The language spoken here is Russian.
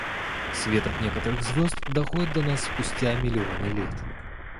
Свет от некоторых звезд доходит до нас спустя миллионы лет.